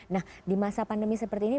nah di masa pandemi seperti ini